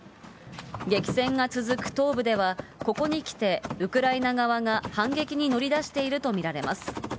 激戦が続く東部では、ここにきて、ウクライナ側が反撃に乗り出していると見られます。